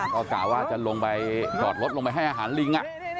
ก็กะว่าจะลงไปจอดรถลงไปให้อาหารลิง